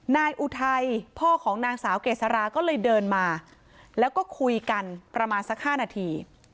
อุทัยพ่อของนางสาวเกษราก็เลยเดินมาแล้วก็คุยกันประมาณสัก๕นาที